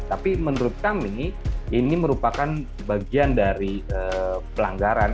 tapi menurut kami ini merupakan bagian dari pelanggaran